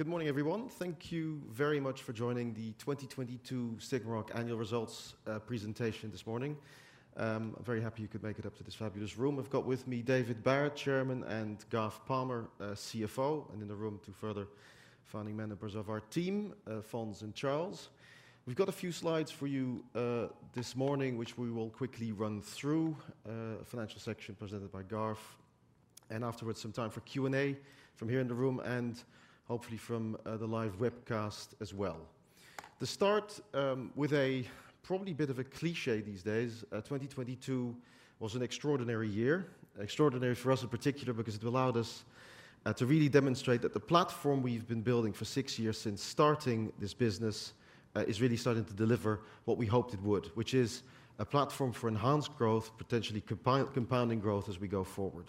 Good morning, everyone. Thank you very much for joining the 2022 SigmaRoc annual results presentation this morning. I'm very happy you could make it up to this fabulous room. I've got with me David Barrett, Chairman, and Garth Palmer, CFO, and in the room two further founding members of our team, Fons and Charles. We've got a few slides for you this morning, which we will quickly run through, a financial section presented by Garth, and afterwards some time for Q&A from here in the room and hopefully from the live webcast as well. To start, with a probably bit of a cliché these days, 2022 was an extraordinary year. Extraordinary for us in particular because it allowed us to really demonstrate that the platform we've been building for 6 years since starting this business is really starting to deliver what we hoped it would, which is a platform for enhanced growth, potentially compounding growth as we go forward.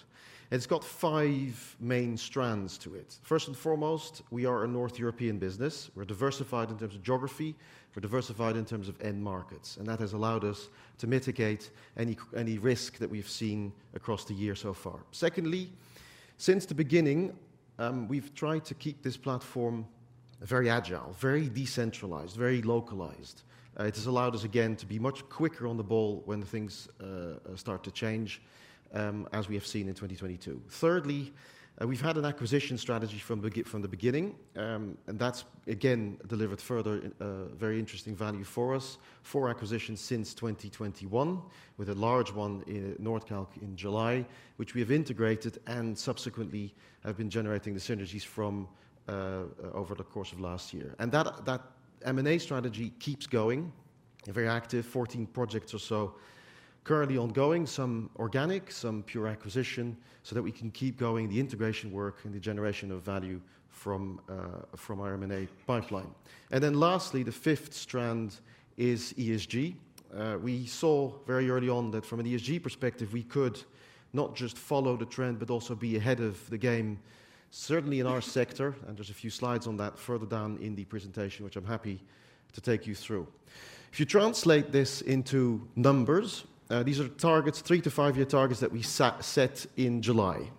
It's got 5 main strands to it. First and foremost, we are a North European business. We're diversified in terms of geography. We're diversified in terms of end markets. That has allowed us to mitigate any risk that we've seen across the year so far. Secondly, since the beginning, we've tried to keep this platform very agile, very decentralized, very localized. It has allowed us again to be much quicker on the ball when things start to change as we have seen in 2022. Thirdly, we've had an acquisition strategy from the beginning, and that's again delivered further, very interesting value for us. Four acquisitions since 2021, with a large one in Nordkalk in July, which we have integrated and subsequently have been generating the synergies from over the course of last year. That M&A strategy keeps going, a very active 14 projects or so currently ongoing, some organic, some pure acquisition, so that we can keep going the integration work and the generation of value from our M&A pipeline. Lastly, the fifth strand is ESG. We saw very early on that from an ESG perspective, we could not just follow the trend, but also be ahead of the game, certainly in our sector, and there's a few slides on that further down in the presentation, which I'm happy to take you through. If you translate this into numbers, these are targets, 3-5-year targets that we set in July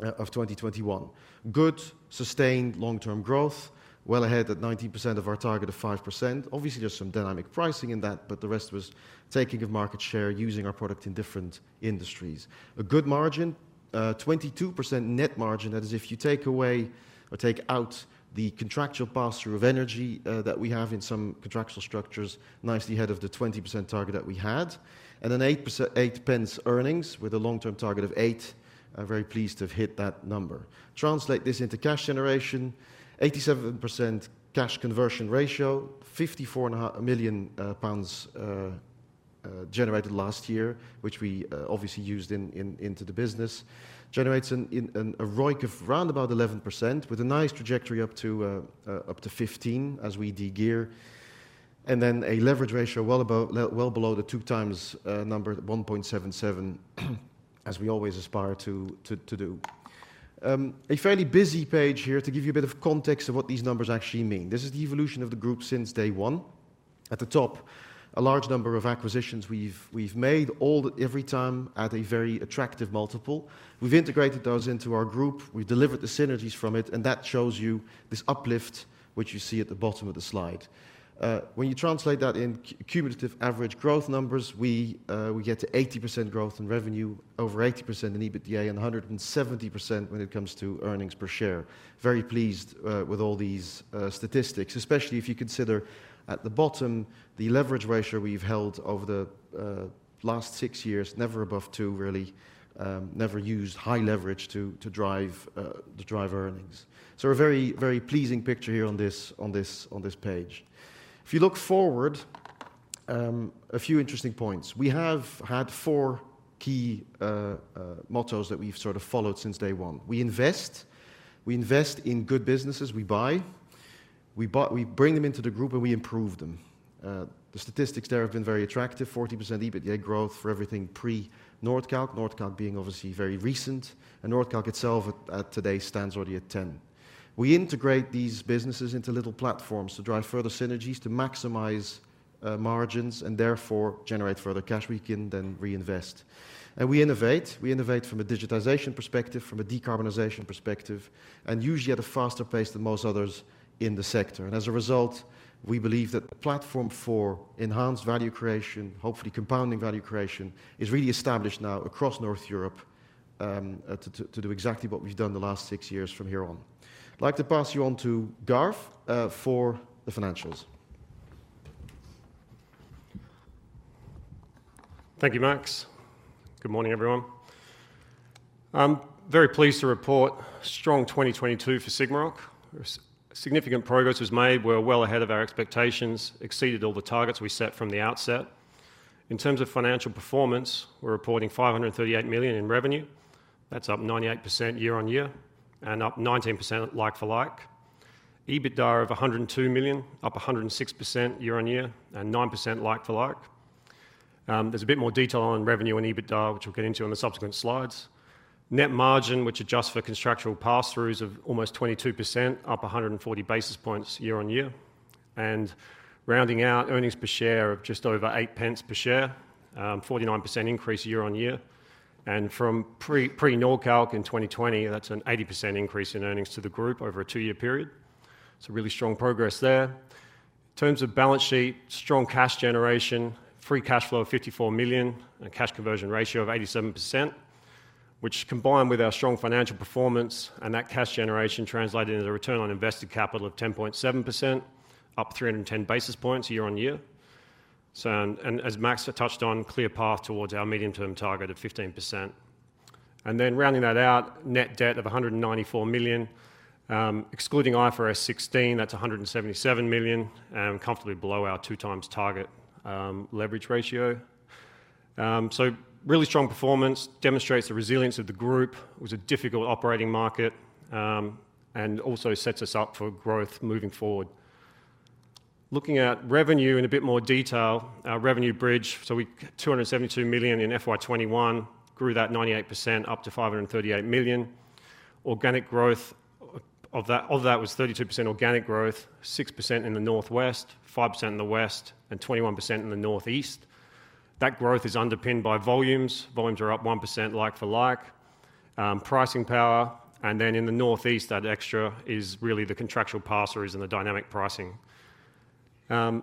of 2021. Good, sustained long-term growth, well ahead at 90% of our target of 5%. Obviously, there's some dynamic pricing in that, but the rest was taking of market share using our product in different industries. A good margin, 22% net margin. That is, if you take away or take out the contractual pass-through of energy that we have in some contractual structures, nicely ahead of the 20% target that we had. 0.08 earnings with a long-term target of 0.08. I'm very pleased to have hit that number. Translate this into cash generation, 87% cash conversion ratio, 54.5 million pounds generated last year, which we obviously used into the business. Generates a ROIC of round about 11% with a nice trajectory up to 15% as we de-gear, and then a leverage ratio well below the 2 times number, 1.77 as we always aspire to do. A fairly busy page here to give you a bit of context of what these numbers actually mean. This is the evolution of the group since day one. At the top, a large number of acquisitions we've made, all every time at a very attractive multiple. We've integrated those into our group. We've delivered the synergies from it. That shows you this uplift, which you see at the bottom of the slide. When you translate that in cumulative average growth numbers, we get to 80% growth in revenue, over 80% in EBITDA, and 170% when it comes to earnings per share. Very pleased with all these statistics, especially if you consider at the bottom the leverage ratio we've held over the last 6 years, never above 2, really, never used high leverage to drive earnings. A very, very pleasing picture here on this page. If you look forward, a few interesting points. We have had four key mottos that we've sort of followed since day one. We invest. We invest in good businesses. We buy. We bring them into the group, and we improve them. The statistics there have been very attractive, 40% EBITDA growth for everything pre-Nordkalk, Nordkalk being obviously very recent, and Nordkalk itself at today stands already at 10%. We integrate these businesses into little platforms to drive further synergies to maximize margins and therefore generate further cash we can then reinvest. We innovate. We innovate from a digitization perspective, from a decarbonization perspective, and usually at a faster pace than most others in the sector. As a result, we believe that the platform for enhanced value creation, hopefully compounding value creation, is really established now across North Europe, to do exactly what we've done the last 6 years from here on. I'd like to pass you on to Garth for the financials. Thank you, Max. Good morning, everyone. I'm very pleased to report strong 2022 for SigmaRoc. Significant progress was made. We're well ahead of our expectations, exceeded all the targets we set from the outset. In terms of financial performance, we're reporting 538 million in revenue. That's up 98% year-on-year and up 19% like for like. EBITDA of 102 million, up 106% year-on-year and 9% like for like. There's a bit more detail on revenue and EBITDA, which we'll get into on the subsequent slides. Net margin, which adjusts for contractual pass-throughs of almost 22%, up 140 basis points year-on-year. Rounding out earnings per share of just over 8 pence per share, 49% increase year-on-year. From pre-Nordkalk in 2020, that's an 80% increase in earnings to the group over a two-year period. Really strong progress there. In terms of balance sheet, strong cash generation, free cash flow of 54 million, and a cash conversion ratio of 87%, which combined with our strong financial performance and that cash generation translated into a return on invested capital of 10.7%, up 310 basis points year-on-year. As Max touched on, clear path towards our medium-term target of 15%. Rounding that out, net debt of 194 million, excluding IFRS 16, that's 177 million, comfortably below our two times target leverage ratio. Really strong performance demonstrates the resilience of the group. It was a difficult operating market, also sets us up for growth moving forward. Looking at revenue in a bit more detail, our revenue bridge, 272 million in FY 2021, grew that 98% up to 538 million. Organic growth of that was 32% organic growth, 6% in the Northwest, 5% in the West, and 21% in the Northeast. That growth is underpinned by volumes. Volumes are up 1% like for like. Pricing power, and then in the Northeast, that extra is really the contractual pass-throughs and the dynamic pricing. On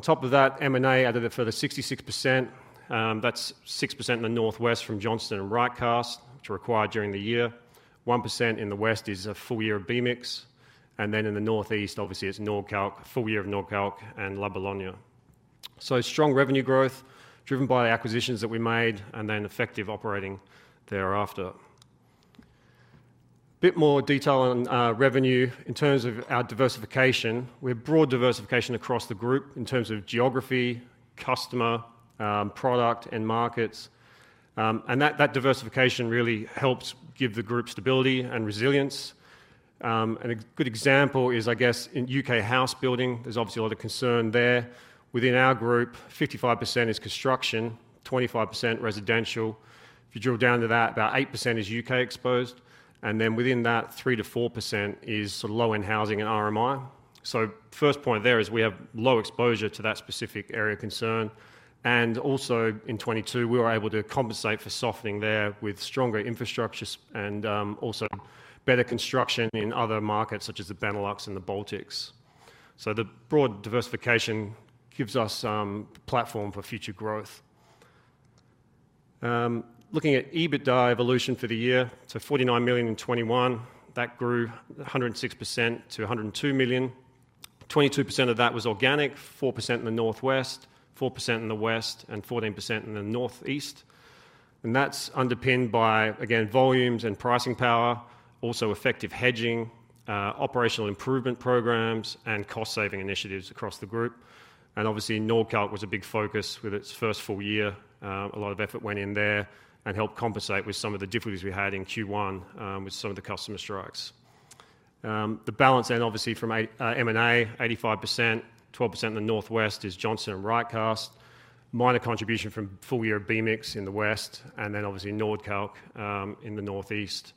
top of that, M&A added a further 66%. That's 6% in the Northwest from Johnston and RightCast, which were acquired during the year. 1% in the West is a full year of B-Mix, and then in the North East, obviously it's Nordkalk, full year of Nordkalk and La Belonga. Strong revenue growth driven by acquisitions that we made and then effective operating thereafter. Bit more detail on revenue in terms of our diversification. We have broad diversification across the group in terms of geography, customer, product and markets. That diversification really helps give the group stability and resilience. A good example is, I guess, in U.K. house building, there's obviously a lot of concern there. Within our group, 55% is construction, 25% residential. If you drill down to that, about 8% is U.K. exposed, and then within that, 3%-4% is low-end housing and RMI. First point there is we have low exposure to that specific area of concern. Also in 2022, we were able to compensate for softening there with stronger infrastructure and also better construction in other markets such as the Benelux and the Baltics. The broad diversification gives us platform for future growth. Looking at EBITDA evolution for the year, 49 million in 2021, that grew 106% to 102 million. 22% of that was organic, 4% in the Northwest, 4% in the West, and 14% in the Northeast. That's underpinned by, again, volumes and pricing power, also effective hedging, operational improvement programs, and cost-saving initiatives across the group. Obviously, Nordkalk was a big focus with its first full year. A lot of effort went in there and helped compensate with some of the difficulties we had in Q1 with some of the customer strikes. The balance obviously from M&A, 85%, 12% in the Northwest is Johnston and RightCast, minor contribution from full year of B-Mix in the West, and obviously Nordkalk in the Northeast.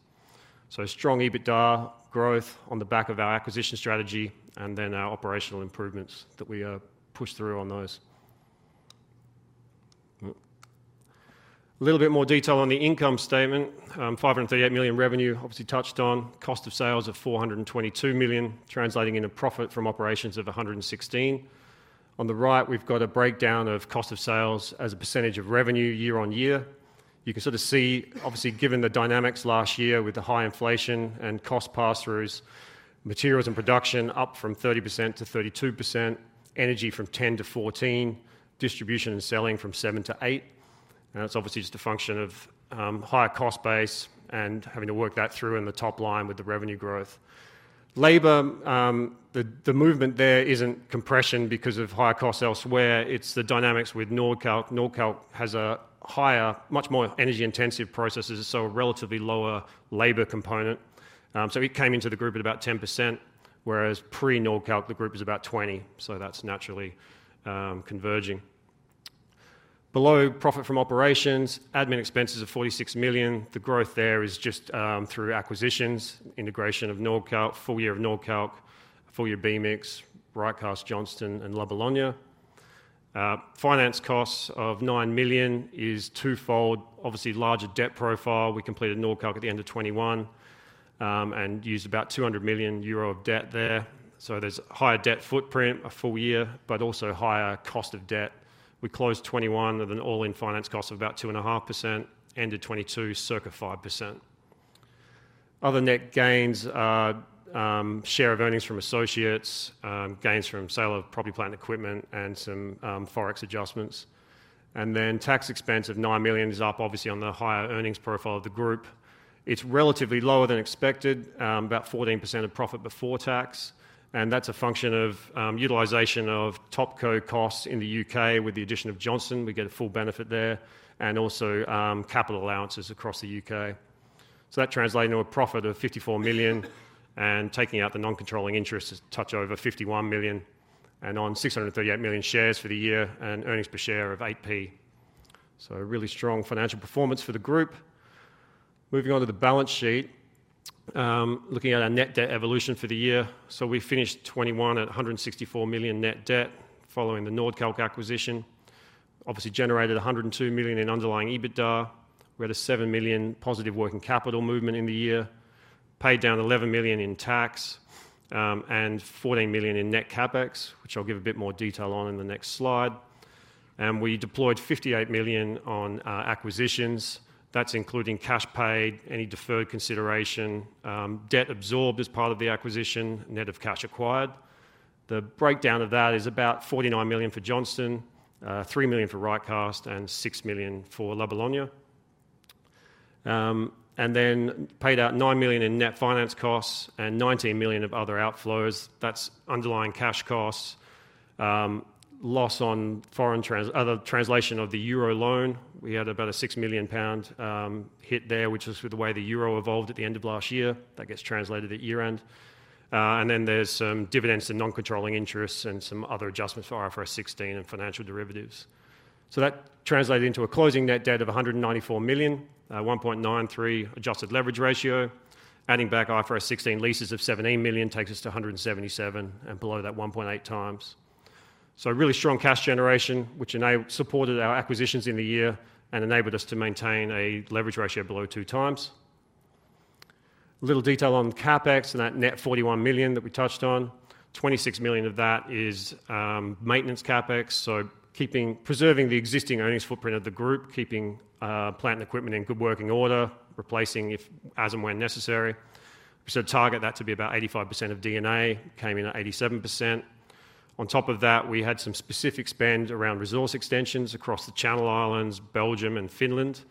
Strong EBITDA growth on the back of our acquisition strategy and our operational improvements that we pushed through on those. A little bit more detail on the income statement. 538 million revenue, obviously touched on. Cost of sales of 422 million, translating into profit from operations of 116 million. On the right, we've got a breakdown of cost of sales as a percentage of revenue year on year. You can sort of see, obviously, given the dynamics last year with the high inflation and cost pass-throughs, materials and production up from 30% to 32%, energy from 10%-14%, distribution and selling from 7%-8%. That's obviously just a function of higher cost base and having to work that through in the top line with the revenue growth. Labor, the movement there isn't compression because of higher costs elsewhere. It's the dynamics with Nordkalk. Nordkalk has a higher, much more energy-intensive processes, so a relatively lower labor component. So it came into the group at about 10%, whereas pre-Nordkalk, the group is about 20%, so that's naturally converging. Below profit from operations, admin expenses of 46 million. The growth there is just through acquisitions, integration of Nordkalk, full year of Nordkalk, full year B-Mix, RightCast, Johnston, and La Belonga. Finance costs of 9 million is twofold. Obviously, larger debt profile. We completed Nordkalk at the end of 2021 and used about 200 million euro of debt there. There's higher debt footprint, a full year, but also higher cost of debt. We closed 2021 with an all-in finance cost of about 2.5%, ended 2022 circa 5%. Other net gains are share of earnings from associates, gains from sale of property, plant, and equipment, and some Forex adjustments. Tax expense of 9 million is up obviously on the higher earnings profile of the group. It's relatively lower than expected, about 14% of profit before tax. That's a function of, utilization of top co-costs in the UK with the addition of Johnston. We get a full benefit there, and also, capital allowances across the UK. That translated into a profit of 54 million, and taking out the non-controlling interest is a touch over 51 million. On 638 million shares for the year and earnings per share of 0.08. Really strong financial performance for the group. Moving on to the balance sheet, looking at our net debt evolution for the year. We finished 21 at 164 million net debt following the Nordkalk acquisition. Obviously generated 102 million in underlying EBITDA. We had a 7 million positive working capital movement in the year, paid down 11 million in tax, and 14 million in net CapEx, which I'll give a bit more detail on in the next slide. We deployed 58 million on acquisitions. That's including cash paid, any deferred consideration, debt absorbed as part of the acquisition, net of cash acquired. The breakdown of that is about 49 million for Johnston, 3 million for RightCast, and 6 million for La Belonga. Paid out 9 million in net finance costs and 19 million of other outflows. That's underlying cash costs, loss on other translation of the euro loan. We had about a 6 million pound hit there, which was with the way the euro evolved at the end of last year. That gets translated at year-end. There's some dividends to non-controlling interests and some other adjustments for IFRS 16 and financial derivatives. That translated into a closing net debt of 194 million, 1.93 adjusted leverage ratio. Adding back IFRS 16 leases of 17 million takes us to 177 million and below that 1.8 times. Really strong cash generation, which supported our acquisitions in the year and enabled us to maintain a leverage ratio below 2 times. A little detail on the CapEx and that net 41 million that we touched on. 26 million of that is maintenance CapEx, preserving the existing earnings footprint of the group, keeping plant and equipment in good working order, replacing if as and when necessary. Target that to be about 85% of DNA, came in at 87%. On top of that, we had some specific spend around resource extensions across the Channel Islands, Belgium, and Finland.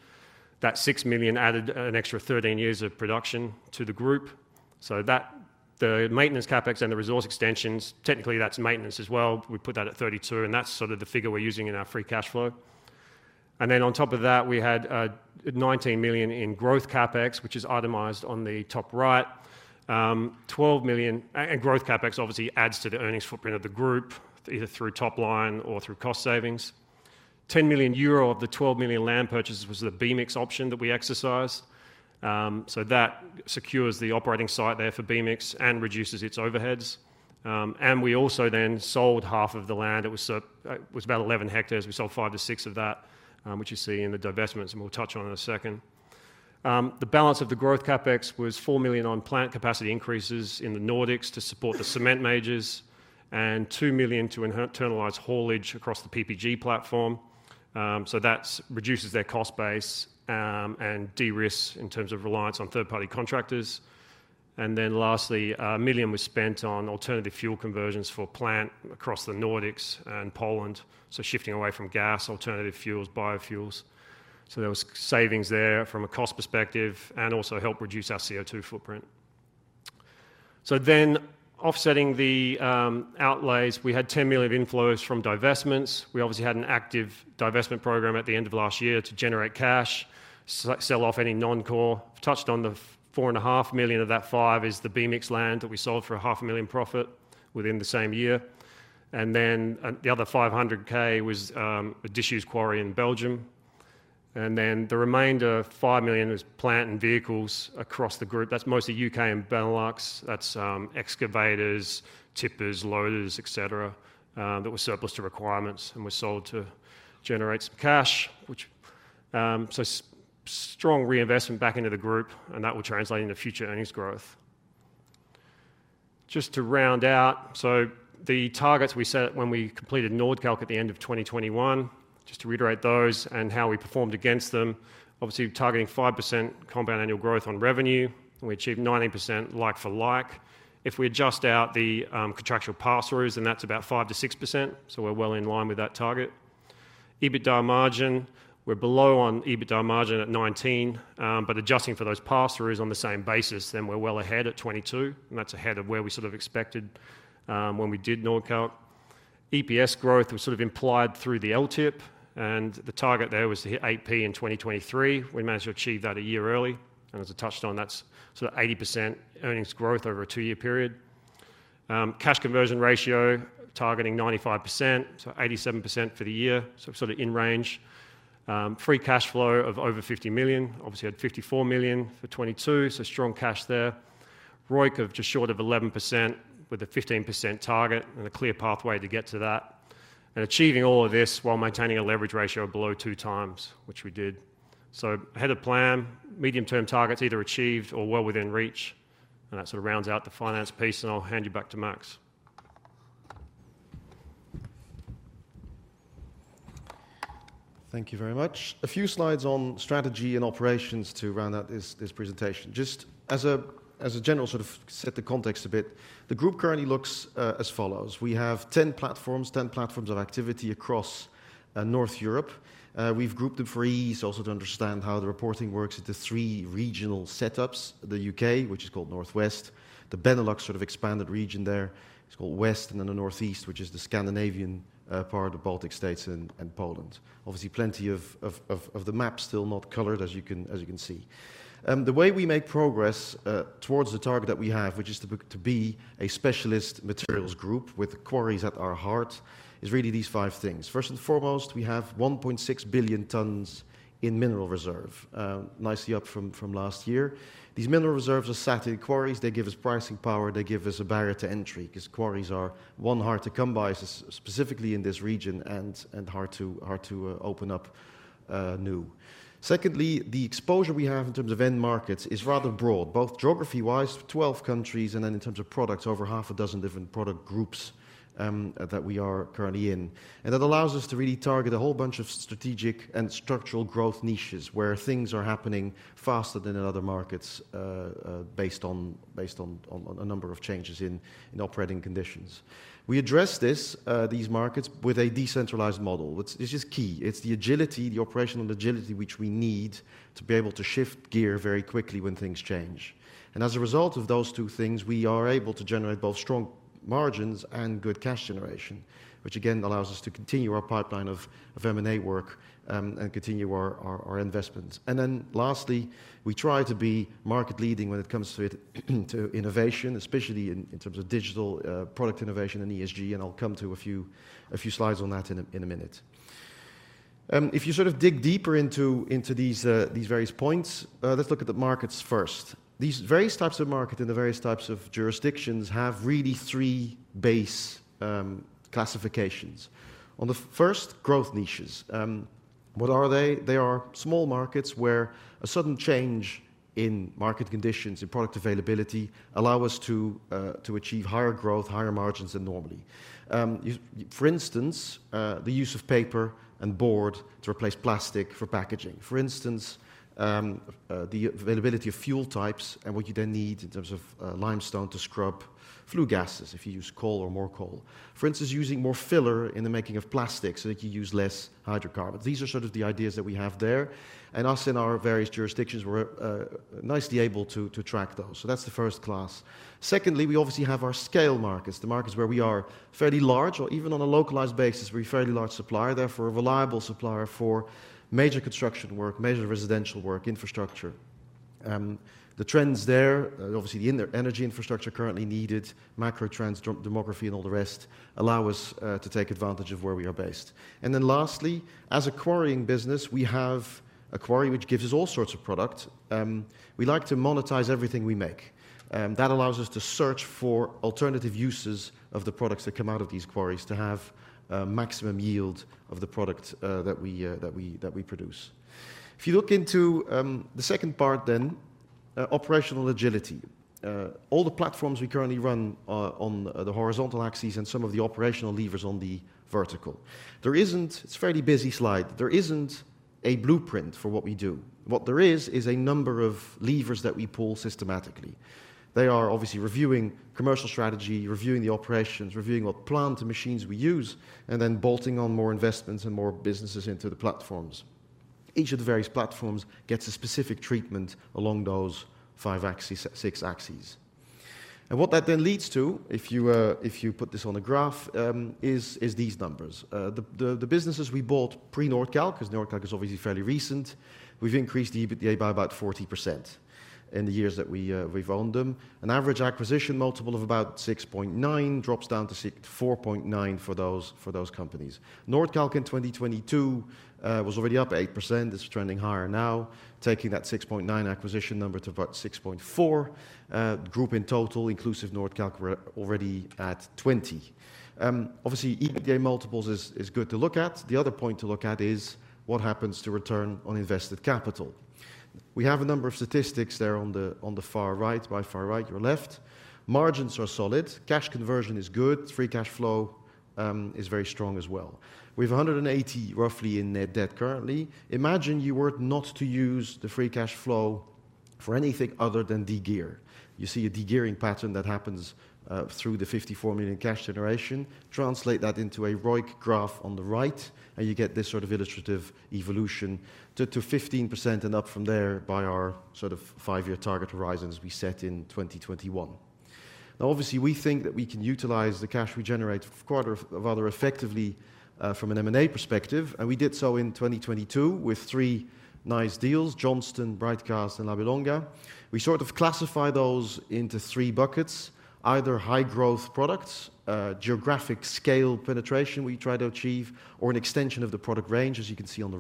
That 6 million added an extra 13 years of production to the group. That the maintenance CapEx and the resource extensions, technically that's maintenance as well. We put that at 32 million, and that's sort of the figure we're using in our free cash flow. Then on top of that, we had 19 million in growth CapEx, which is itemized on the top right. 12 million and growth CapEx obviously adds to the earnings footprint of the group, either through top line or through cost savings. 10 million euro of the 12 million land purchases was the B-Mix option that we exercised. So that secures the operating site there for B-Mix and reduces its overheads. We also then sold half of the land. It was about 11 hectares. We sold 5-6 of that, which you see in the divestments, and we'll touch on in a second. The balance of the growth CapEx was 4 million on plant capacity increases in the Nordics to support the cement majors and 2 million to internalize haulage across the PPG platform. That reduces their cost base, and de-risks in terms of reliance on third-party contractors. Lastly, 1 million was spent on alternative fuel conversions for plant across the Nordics and Poland, so shifting away from gas, alternative fuels, biofuels. There was savings there from a cost perspective and also helped reduce our CO2 footprint. Offsetting the outlays, we had 10 million of inflows from divestments. We obviously had an active divestment program at the end of last year to generate cash, sell off any non-core. I've touched on the four and a half million GBP of that 5 million is the B-Mix land that we sold for a half a million GBP profit within the same year. The other 500K was a disused quarry in Belgium. The remainder, 5 million, was plant and vehicles across the group. That's mostly U.K. and Benelux. That's excavators, tippers, loaders, et cetera, that were surplus to requirements and were sold to generate some cash, which strong reinvestment back into the group, and that will translate into future earnings growth. Just to round out, the targets we set when we completed Nordkalk at the end of 2021, just to reiterate those and how we performed against them, obviously targeting 5% compound annual growth on revenue, we achieved 19% like for like. If we adjust out the contractual pass-throughs, then that's about 5%-6%, we're well in line with that target. EBITDA margin, we're below on EBITDA margin at 19%, but adjusting for those pass-throughs on the same basis, then we're well ahead at 22%, that's ahead of where we sort of expected when we did Nordkalk. EPS growth was sort of implied through the LTIP, the target there was to hit 8p in 2023. We managed to achieve that a year early. As I touched on, that's sort of 80% earnings growth over a 2-year period. Cash conversion ratio targeting 95%, so 87% for the year, so sort of in range. Free cash flow of over 50 million, obviously had 54 million for 2022, so strong cash there. ROIC of just short of 11% with a 15% target and a clear pathway to get to that. Achieving all of this while maintaining a leverage ratio of below 2 times, which we did. Ahead of plan, medium-term targets either achieved or well within reach, and that sort of rounds out the finance piece, and I'll hand you back to Max. Thank you very much. A few slides on strategy and operations to round out this presentation. Just as a general sort of set the context a bit, the group currently looks as follows. We have 10 platforms of activity across North Europe. We've grouped them for ease also to understand how the reporting works into 3 regional setups. The UK, which is called Northwest. The Benelux sort of expanded region there, it's called West. The Northeast, which is the Scandinavian part, the Baltic States and Poland. Obviously plenty of the map still not colored as you can see. The way we make progress towards the target that we have, which is to be a specialist materials group with quarries at our heart, is really these 5 things. First and foremost, we have 1.6 billion tons in mineral reserve, nicely up from last year. These mineral reserves are sat in quarries. They give us pricing power. They give us a barrier to entry, because quarries are, one, hard to come by specifically in this region and hard to open up new. Secondly, the exposure we have in terms of end markets is rather broad, both geography-wise, 12 countries, and then in terms of products, over half a dozen different product groups that we are currently in. That allows us to really target a whole bunch of strategic and structural growth niches where things are happening faster than in other markets, based on a number of changes in operating conditions. We address this, these markets with a decentralized model, which is just key. It's the agility, the operational agility which we need to be able to shift gear very quickly when things change. As a result of those two things, we are able to generate both strong margins and good cash generation, which again allows us to continue our pipeline of M&A work, and continue our investments. Lastly, we try to be market leading when it comes to innovation, especially in terms of digital, product innovation and ESG, and I'll come to a few slides on that in a minute. If you sort of dig deeper into these various points, let's look at the markets first. These various types of market and the various types of jurisdictions have really three base classifications. On the first, growth niches. What are they? They are small markets where a sudden change in market conditions and product availability allow us to achieve higher growth, higher margins than normally. For instance, the use of paper and board to replace plastic for packaging. For instance, the availability of fuel types and what you then need in terms of limestone to scrub flue gases if you use coal or more coal. For instance, using more filler in the making of plastic, so that you use less hydrocarbons. These are sort of the ideas that we have there, and us in our various jurisdictions, we're nicely able to track those. That's the first class. Secondly, we obviously have our scale markets, the markets where we are fairly large or even on a localized basis, we're a fairly large supplier, therefore a reliable supplier for major construction work, major residential work, infrastructure. The trends there, obviously the energy infrastructure currently needed, macro trends, demography, and all the rest allow us to take advantage of where we are based. Lastly, as a quarrying business, we have a quarry which gives us all sorts of product. We like to monetize everything we make, that allows us to search for alternative uses of the products that come out of these quarries to have maximum yield of the product that we produce. If you look into the second part then, operational agility. All the platforms we currently run on the horizontal axis and some of the operational levers on the vertical. It's a fairly busy slide. There isn't a blueprint for what we do. What there is a number of levers that we pull systematically. They are obviously reviewing commercial strategy, reviewing the operations, reviewing what plant and machines we use, and then bolting on more investments and more businesses into the platforms. Each of the various platforms gets a specific treatment along those five axes, six axes. What that then leads to, if you put this on a graph, is these numbers. The businesses we bought pre-Nordkalk, because Nordkalk is obviously fairly recent, we've increased the EBITDA by about 40% in the years that we've owned them. An average acquisition multiple of about 6.9 drops down to 4.9 for those companies. Nordkalk in 2022 was already up 8%. It's trending higher now, taking that 6.9 acquisition number to about 6.4. The group in total, inclusive Nordkalk we're already at 20. Obviously EBITDA multiples is good to look at. The other point to look at is what happens to return on invested capital. We have a number of statistics there on the far right. By far right, your left. Margins are solid. Cash conversion is good. Free cash flow is very strong as well. We have 180 roughly in net debt currently. Imagine you were not to use the free cash flow for anything other than de-gear. You see a de-gearing pattern that happens through the 54 million cash generation. Translate that into a ROIC graph on the right, you get this sort of illustrative evolution to 15% and up from there by our sort of 5-year target horizon as we set in 2021. Obviously, we think that we can utilize the cash we generate rather effectively from an M&A perspective, and we did so in 2022 with 3 nice deals, Johnston, RightCast, and La Belonga. We sort of classify those into 3 buckets, either high growth products, geographic scale penetration we try to achieve, or an extension of the product range, as you can see on the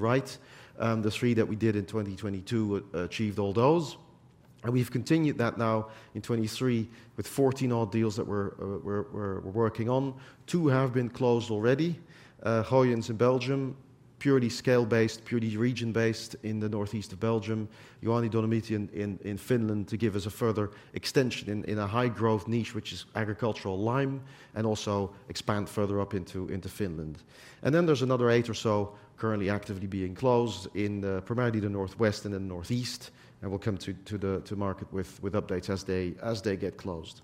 right. The 3 that we did in 2022 achieved all those. We've continued that now in 2023 with 14 odd deals that we're working on. Two have been closed already, Goijens in Belgium. Purely scale-based, purely region-based in the northeast of Belgium. Juuan Dolomiittikalkki in Finland to give us a further extension in a high-growth niche, which is agricultural lime, and also expand further up into Finland. There's another 8 or so currently actively being closed in primarily the northwest and the northeast, and we'll come to market with updates as they get closed.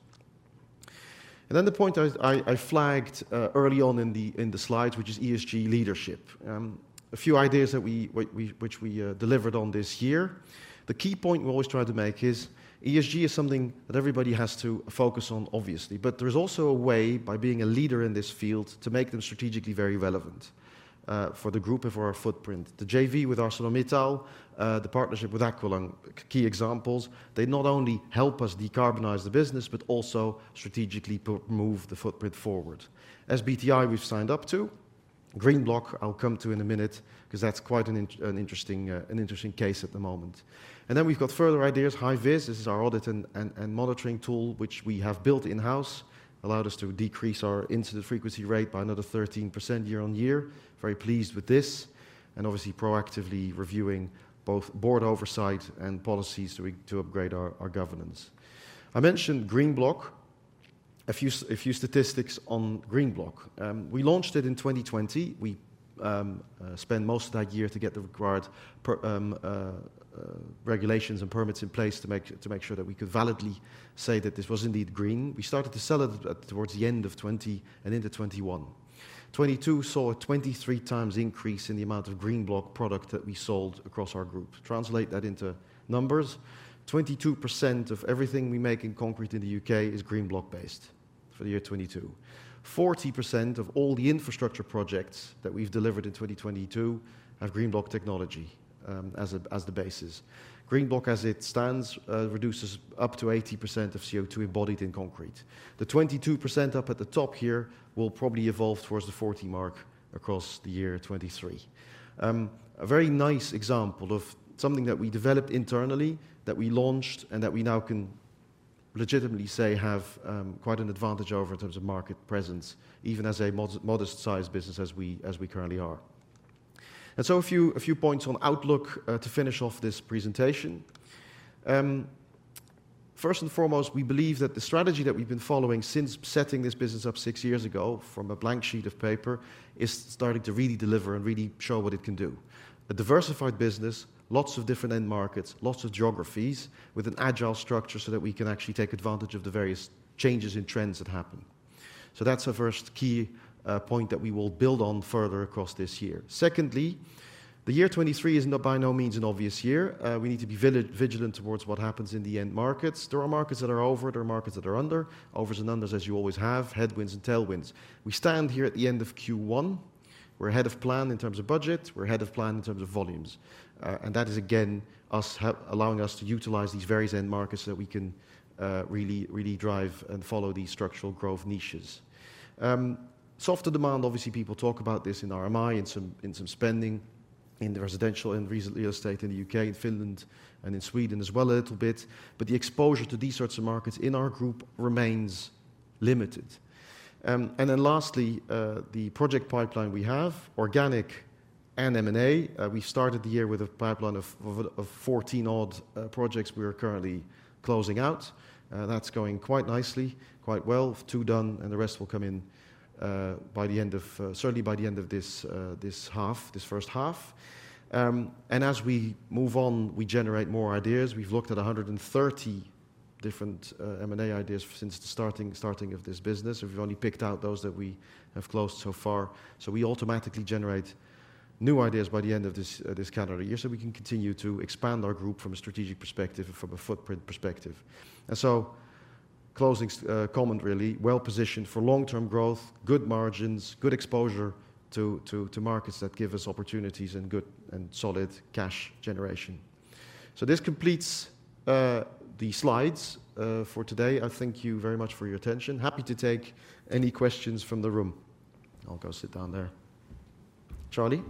The point I flagged early on in the slides, which is ESG leadership. A few ideas that we delivered on this year. The key point we always try to make is ESG is something that everybody has to focus on, obviously. There is also a way, by being a leader in this field, to make them strategically very relevant for the group and for our footprint. The JV with ArcelorMittal, the partnership with Aqualung, key examples. They not only help us decarbonize the business, but also strategically move the footprint forward. SBTI, we've signed up to. Green Block, I'll come to in a minute, 'cause that's quite an interesting case at the moment. We've got further ideas. Hyvis, this is our audit and monitoring tool, which we have built in-house. Allowed us to decrease our incident frequency rate by another 13% year on year. Very pleased with this, and obviously proactively reviewing both board oversight and policies to upgrade our governance. I mentioned Green Block. A few statistics on Green Block. We launched it in 2020. We spent most of that year to get the required regulations and permits in place to make sure that we could validly say that this was indeed green. We started to sell it towards the end of 2020 and into 2021. 2022 saw a 23 times increase in the amount of Green Block product that we sold across our group. Translate that into numbers, 22% of everything we make in concrete in the UK is Green Block-based for the year 2022. 40% of all the infrastructure projects that we've delivered in 2022 have Green Block technology as the basis. Green Block as it stands reduces up to 80% of CO2 embodied in concrete. The 22% up at the top here will probably evolve towards the 40 mark across the year 2023. A very nice example of something that we developed internally, that we launched, and that we now can legitimately say have quite an advantage over in terms of market presence, even as a modest-sized business as we currently are. A few points on outlook to finish off this presentation. First and foremost, we believe that the strategy that we've been following since setting this business up 6 years ago from a blank sheet of paper is starting to really deliver and really show what it can do. A diversified business, lots of different end markets, lots of geographies, with an agile structure so that we can actually take advantage of the various changes in trends that happen. That's the first key point that we will build on further across this year. Secondly, the year 2023 is by no means an obvious year. We need to be vigilant towards what happens in the end markets. There are markets that are over, there are markets that are under. Overs and unders as you always have, headwinds and tailwinds. We stand here at the end of Q1. We're ahead of plan in terms of budget. We're ahead of plan in terms of volumes. And that is again us allowing us to utilize these various end markets so that we can really, really drive and follow these structural growth niches. Softer demand, obviously people talk about this in RMI, in some, in some spending in the residential and recently real estate in the U.K., in Finland, and in Sweden as well a little bit. The exposure to these sorts of markets in our group remains limited. Lastly, the project pipeline we have, organic and M&A. We started the year with a pipeline of 14-odd projects we are currently closing out. That's going quite nicely, quite well. Two done, the rest will come in by the end of certainly by the end of this half, this first half. As we move on, we generate more ideas. We've looked at 130 different M&A ideas since the starting of this business. We've only picked out those that we have closed so far. We automatically generate new ideas by the end of this calendar year so we can continue to expand our group from a strategic perspective and from a footprint perspective. Closing comment really. Well positioned for long-term growth, good margins, good exposure to markets that give us opportunities, and good and solid cash generation. This completes the slides for today. I thank you very much for your attention. Happy to take any questions from the room. I'll go sit down there. Charlie?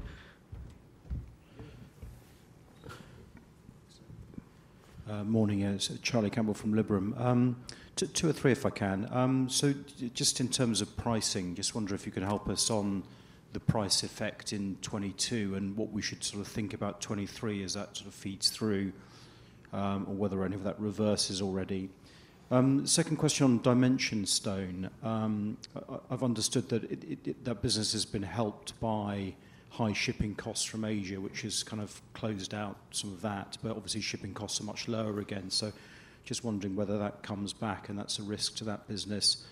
Morning. It's Charlie Campbell from Liberum. Two, 2 or 3, if I can. Just in terms of pricing, just wonder if you can help us on the price effect in 2022 and what we should sort of think about 2023 as that sort of feeds through, or whether any of that reverses already. Second question on Dimension Stone. I've understood that it, that business has been helped by high shipping costs from Asia, which has kind of closed out some of that. Obviously shipping costs are much lower again, so just wondering whether that comes back and that's a risk to that business.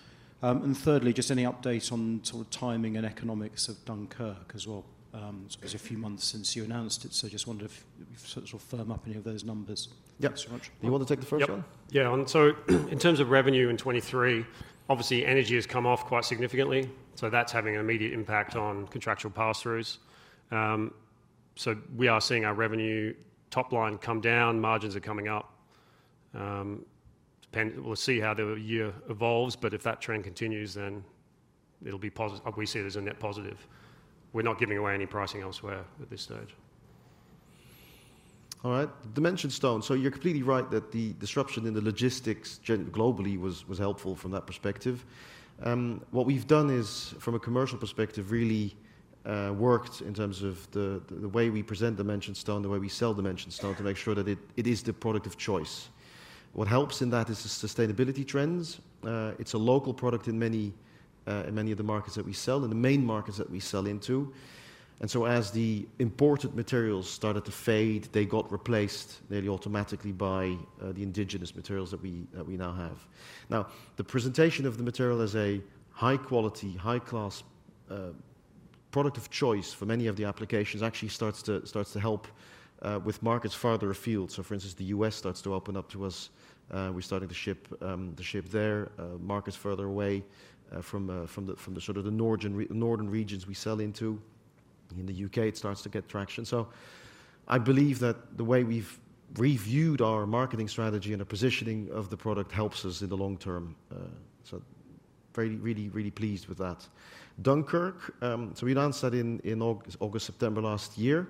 Thirdly, just any update on sort of timing and economics of Dunkirk as well? 'Cause a few months since you announced it, so just wonder if you've sort of firmed up any of those numbers. Yep. Thanks so much. You want to take the first one? Yep. Yeah, in terms of revenue in 2023, obviously energy has come off quite significantly, that's having an immediate impact on contractual pass-throughs. We are seeing our revenue top line come down. Margins are coming up. We'll see how the year evolves, but if that trend continues, then it'll be we see it as a net positive. We're not giving away any pricing elsewhere at this stage. All right. Dimension Stone. You're completely right that the disruption in the logistics globally was helpful from that perspective. What we've done is, from a commercial perspective, really, worked in terms of the way we present Dimension Stone, the way we sell Dimension Stone to make sure that it is the product of choice. What helps in that is the sustainability trends. It's a local product in many, in many of the markets that we sell, in the main markets that we sell into. As the imported materials started to fade, they got replaced nearly automatically by the indigenous materials that we, that we now have. Now, the presentation of the material as a high quality, high class, product of choice for many of the applications actually starts to, starts to help with markets farther afield. For instance, the U.S. starts to open up to us, we're starting to ship there, markets further away from the sort of the northern regions we sell into. In the U.K., it starts to get traction. I believe that the way we've reviewed our marketing strategy and the positioning of the product helps us in the long term. very really pleased with that. Dunkirk, we announced that in August, September last year.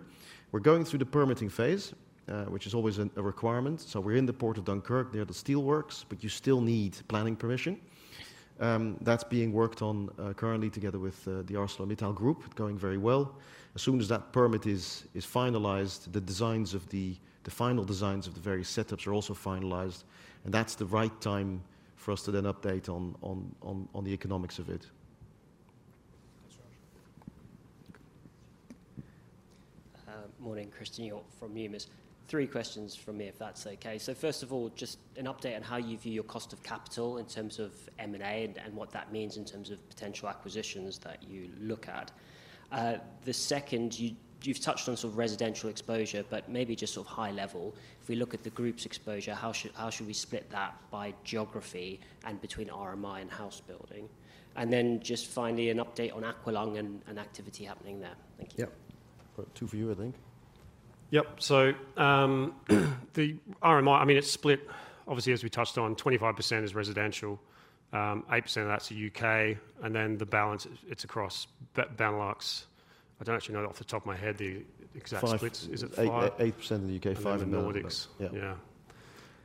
We're going through the permitting phase, which is always a requirement. We're in the port of Dunkirk near the steelworks, but you still need planning permission. That's being worked on currently together with the ArcelorMittal group. Going very well. As soon as that permit is finalized, the final designs of the various setups are also finalized. That's the right time for us to then update on the economics of it. Sure. Morning. Christian York from Midas. Three questions from me, if that's okay. First of all, just an update on how you view your cost of capital in terms of M&A and what that means in terms of potential acquisitions that you look at. The second, you've touched on sort of residential exposure, but maybe just sort of high level. If we look at the group's exposure, how should we split that by geography and between RMI and house building? Then just finally, an update on Aqualung and activity happening there. Thank you. Yeah. Garth two for you, I think. Yep. The RMI, I mean, it's split. Obviously, as we touched on, 25% is residential, 8% of that's the U.K., and then the balance, it's across Benelux. I don't actually know off the top of my head the exact splits. Is it 5? Eight, eight percent in the UK, five in the- The Baltics.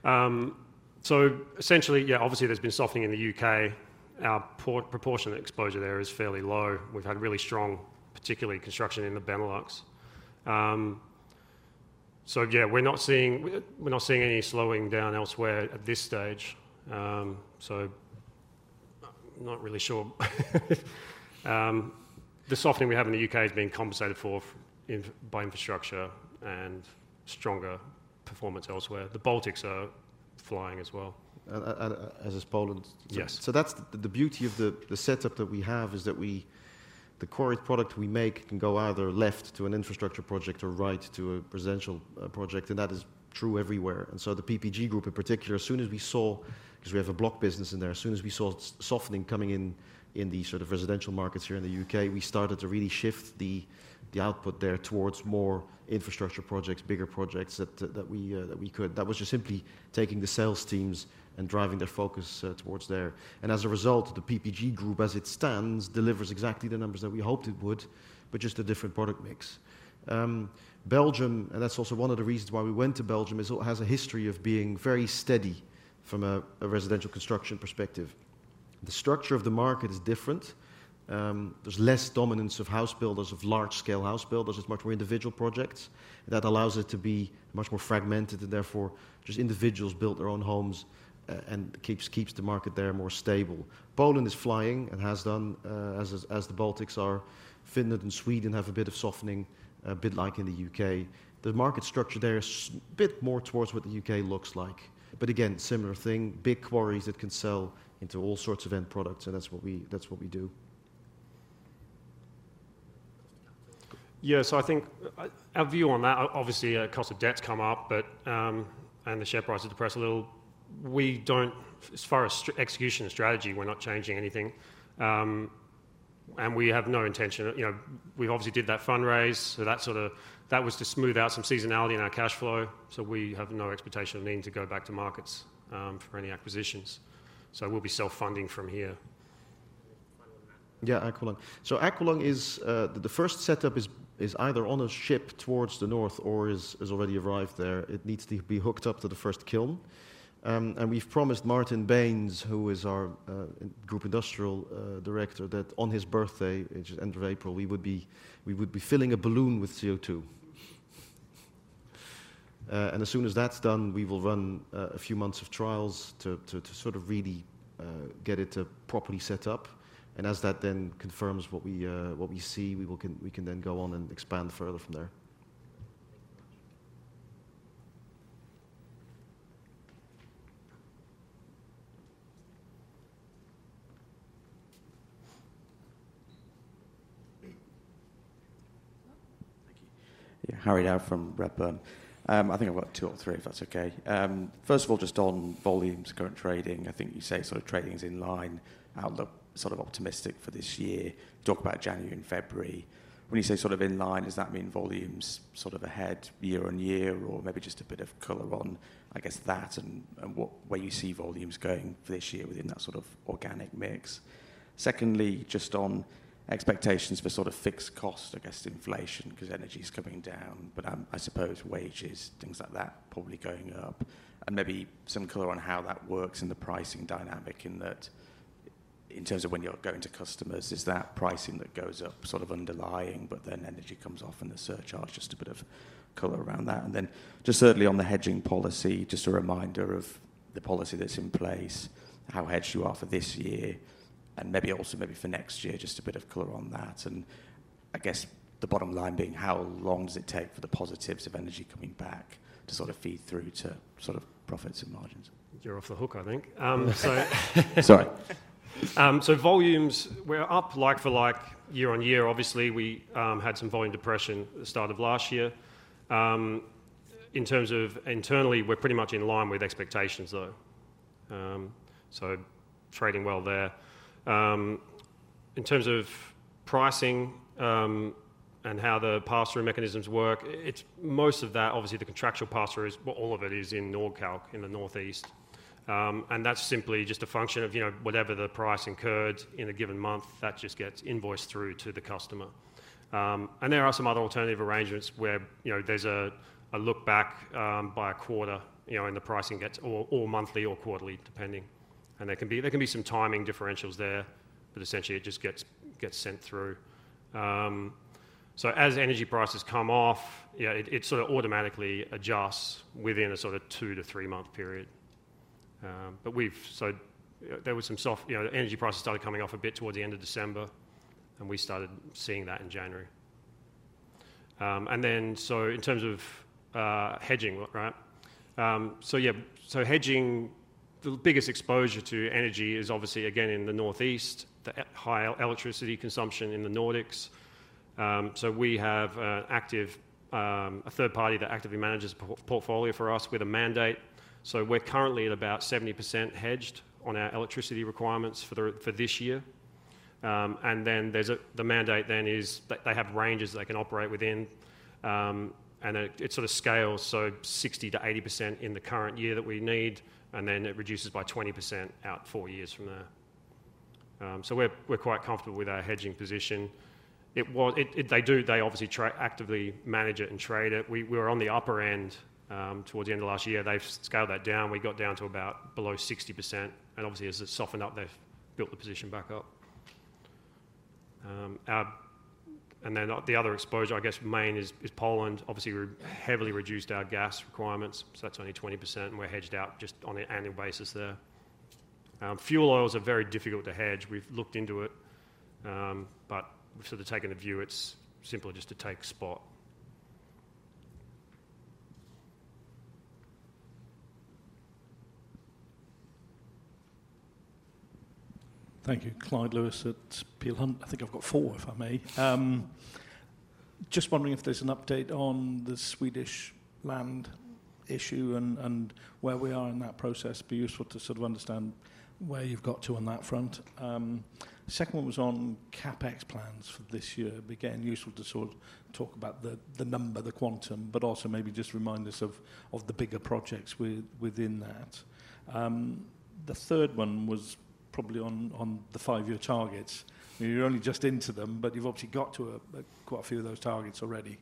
Yeah. Essentially, obviously there's been softening in the UK. Our proportion of exposure there is fairly low. We've had really strong, particularly construction in the Benelux. We're not seeing any slowing down elsewhere at this stage. Not really sure. The softening we have in the UK is being compensated for by infrastructure and stronger performance elsewhere. The Baltics are flying as well. As is Poland. Yes. That's the beauty of the setup that we have is that we the quarry product we make can go either left to an infrastructure project or right to a residential project, and that is true everywhere. The PPG Group in particular, as soon as we saw, 'cause we have a block business in there, as soon as we saw softening coming in in the sort of residential markets here in the U.K., we started to really shift the output there towards more infrastructure projects, bigger projects that we could. That was just simply taking the sales teams and driving their focus towards there. As a result, the PPG Group as it stands, delivers exactly the numbers that we hoped it would, but just a different product mix. Belgium. That's also one of the reasons why we went to Belgium, is it has a history of being very steady from a residential construction perspective. The structure of the market is different. There's less dominance of house builders, of large scale house builders. It's much more individual projects. That allows it to be much more fragmented and therefore just individuals build their own homes and keeps the market there more stable. Poland is flying and has done as the Baltics are. Finland and Sweden have a bit of softening, a bit like in the U.K. The market structure there is bit more towards what the U.K. looks like. Again, similar thing, big quarries that can sell into all sorts of end products, and that's what we do. I think our view on that, obviously our cost of debt's come up, but, and the share price has depressed a little. We don't as far as execution and strategy, we're not changing anything, and we have no intention. You know, we obviously did that fundraise, so that sort of that was to smooth out some seasonality in our cash flow. We have no expectation of needing to go back to markets for any acquisitions. We'll be self-funding from here. Final one, Matt. Aqualung. Aqualung is the first setup is either on a ship towards the north or already arrived there. It needs to be hooked up to the first kiln. We've promised Martin Bains, who is our Group Industrial Director, that on his birthday, which is end of April, we would be filling a balloon with CO2. As soon as that's done, we will run a few months of trials to sort of really get it properly set up. As that then confirms what we see, we can then go on and expand further from there. Thank you very much. Thank you. Yeah, Harry Goad from Redburn. I think I've got 2 or 3, if that's okay. First of all, just on volumes, current trading. I think you say sort of trading is in line, outlook sort of optimistic for this year. Talk about January and February. When you say sort of in line, does that mean volumes sort of ahead year-over-year, or maybe just a bit of color on, I guess, that and what, where you see volumes going for this year within that sort of organic mix? Secondly, just on expectations for sort of fixed cost, I guess inflation 'cause energy's coming down. I suppose wages, things like that probably going up. Maybe some color on how that works in the pricing dynamic in that In terms of when you're going to customers, is that pricing that goes up sort of underlying, but then energy comes off and the surcharge, just a bit of color around that? Then just certainly on the hedging policy, just a reminder of the policy that's in place, how hedged you are for this year, and maybe also maybe for next year, just a bit of color on that? I guess the bottom line being how long does it take for the positives of energy coming back to sort of feed through to sort of profits and margins? You're off the hook, I think. Sorry. Volumes, we're up like for like year on year. Obviously, we had some volume depression at the start of last year. In terms of internally, we're pretty much in line with expectations, though. Trading well there. In terms of pricing, and how the pass-through mechanisms work, it's most of that, obviously the contractual pass-through is, well, all of it is in Nordkalk in the northeast. That's simply just a function of, you know, whatever the price incurred in a given month, that just gets invoiced through to the customer. There are some other alternative arrangements where, you know, there's a look back, by a quarter, you know, and the pricing gets all monthly or quarterly depending. There can be some timing differentials there, but essentially it just gets sent through. As energy prices come off, yeah, it sort of automatically adjusts within a sort of 2-3 month period. There was some soft, you know, energy prices started coming off a bit towards the end of December, and we started seeing that in January. In terms of hedging, right? Yeah, hedging, the biggest exposure to energy is obviously, again, in the northeast, the higher electricity consumption in the Nordics. We have a active, a third party that actively manages a portfolio for us with a mandate. We're currently at about 70% hedged on our electricity requirements for the, for this year. There's the mandate then is they have ranges they can operate within. It sort of scales, so 60%-80% in the current year that we need, and then it reduces by 20% out 4 years from there. We're quite comfortable with our hedging position. They do, they obviously actively manage it and trade it. We're on the upper end, towards the end of last year. They've scaled that down. We got down to about below 60%, and obviously as it's softened up, they've built the position back up. The other exposure, I guess, main is Poland. Obviously, we heavily reduced our gas requirements, so that's only 20%, and we're hedged out just on an annual basis there. Fuel oils are very difficult to hedge. We've looked into it, but we've sort of taken the view it's simpler just to take spot. Thank you. Clyde Lewis at Peel Hunt. I think I've got 4, if I may. Just wondering if there's an update on the Swedish land issue and where we are in that process. It'd be useful to sort of understand where you've got to on that front. Second one was on CapEx plans for this year. It'd be, again, useful to sort of talk about the number, the quantum, but also maybe just remind us of the bigger projects within that. The third one was probably on the 5-year targets. You're only just into them, but you've obviously got to quite a few of those targets already.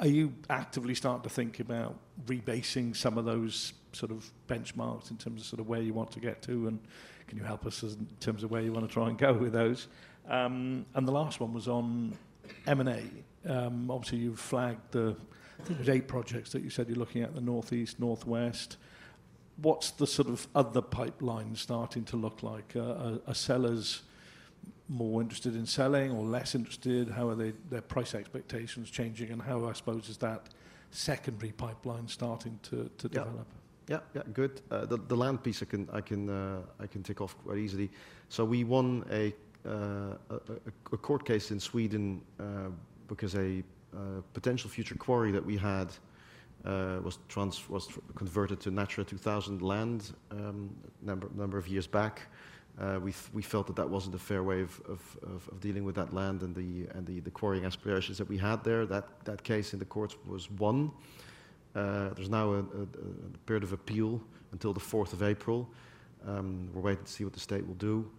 Are you actively starting to think about rebasing some of those sort of benchmarks in terms of sort of where you want to get to? Can you help us in terms of where you wanna try and go with those? The last one was on M&A. Obviously, you've flagged the 8 projects that you said you're looking at, the northeast, northwest. What's the sort of other pipeline starting to look like? Are sellers more interested in selling or less interested? How are they, their price expectations changing? How, I suppose, is that secondary pipeline starting to develop? Yeah. Yeah, yeah, good. The land piece I can, I can tick off quite easily. We won a court case in Sweden because a potential future quarry that we had was converted to Natura 2000 land number of years back. We felt that that wasn't a fair way of dealing with that land and the quarrying aspirations that we had there. That case in the courts was won. There's now a period of appeal until the 4th of April. We're waiting to see what the state will do.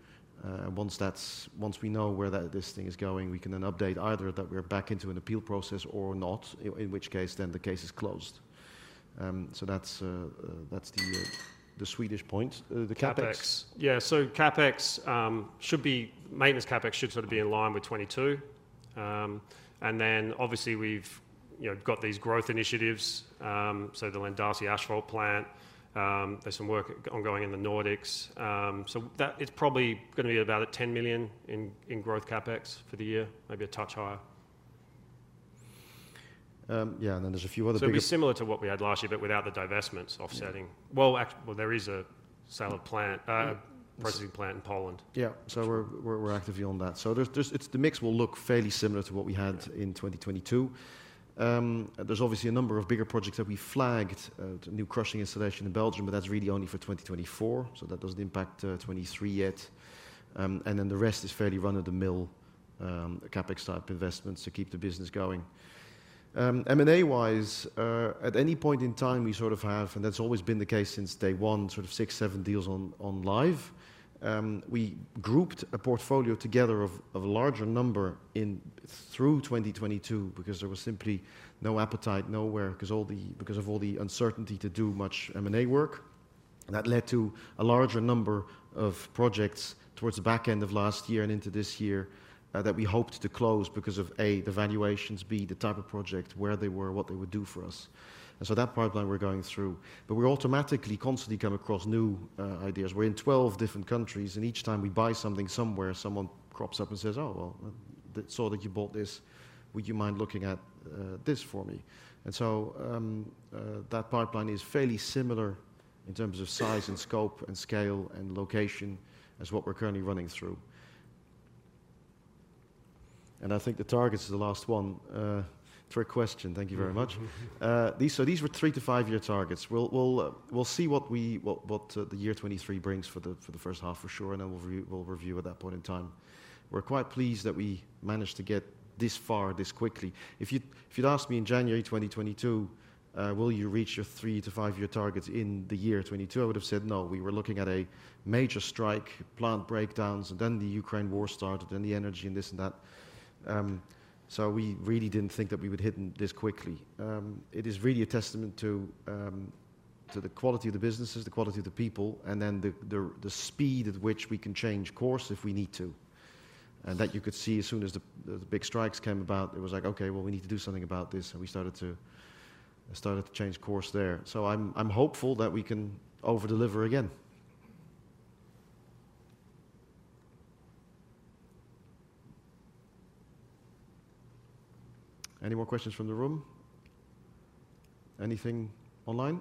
Once we know this thing is going, we can then update either that we're back into an appeal process or not, in which case then the case is closed. That's the Swedish point. The CapEx- CapEx. Yeah. CapEx, maintenance CapEx should sort of be in line with 2022. Then obviously we've, you know, got these growth initiatives, so the Lendase asphalt plant. There's some work ongoing in the Nordics. That is probably gonna be about a 10 million in growth CapEx for the year, maybe a touch higher. Yeah. Then there's a few other big- It'll be similar to what we had last year, but without the divestments offsetting. Yeah. Well, there is a sale of plant, processing plant in Poland. Yeah. We're actively on that. The mix will look fairly similar to what we had in 2022. There's obviously a number of bigger projects that we flagged, new crushing installation in Belgium, but that's really only for 2024, so that doesn't impact 23 yet. The rest is fairly run-of-the-mill, CapEx type investments to keep the business going. M&A-wise, at any point in time, we sort of have, and that's always been the case since day one, sort of six, seven deals on live. We grouped a portfolio together of a larger number in through 2022 because there was simply no appetite nowhere because of all the uncertainty to do much M&A work. That led to a larger number of projects towards the back end of last year and into this year, that we hoped to close because of A, the valuations, B, the type of project, where they were, what they would do for us. That pipeline we're going through. We automatically constantly come across new ideas. We're in 12 different countries, and each time we buy something somewhere, someone crops up and says, "Oh, well, I saw that you bought this. Would you mind looking at this for me?" That pipeline is fairly similar in terms of size and scope and scale and location as what we're currently running through. I think the targets are the last one. Trick question. Thank you very much. So these were three to five-year targets. We'll see what the year 2023 brings for the first half for sure, and then we'll review at that point in time. We're quite pleased that we managed to get this far this quickly. If you'd asked me in January 2022, "Will you reach your three to five-year targets in 2022?" I would have said no. We were looking at a major strike, plant breakdowns, and then the Ukraine war started, and the energy and this and that. We really didn't think that we would hit them this quickly. It is really a testament to the quality of the businesses, the quality of the people, and then the speed at which we can change course if we need to. That you could see as soon as the big strikes came about, it was like, "Okay, well, we need to do something about this," and we started to change course there. I'm hopeful that we can over-deliver again. Any more questions from the room? Anything online?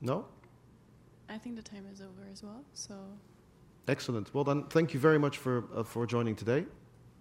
No? I think the time is over as well, so. Excellent. Well, thank you very much for joining today.